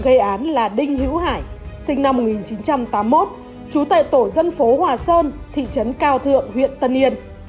đối tượng gây án là đinh hữu hải sinh năm một nghìn chín trăm tám mươi một chú tệ tổ dân phố hòa sơn thị trấn cao thượng huyện tân nhiên